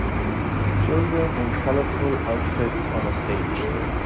children in colorful outfits on a stage